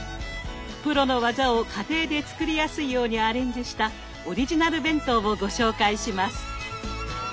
プロの技を家庭で作りやすいようにアレンジしたオリジナル弁当をご紹介します。